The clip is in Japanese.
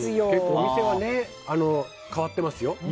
お店はね、変わってますよ。